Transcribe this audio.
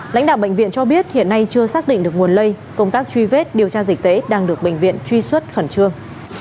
lãnh đạo bệnh viện cho biết hiện nay chưa xác định được nguồn lây công tác truy vết điều tra dịch tễ đang được bệnh viện truy xuất khẩn trương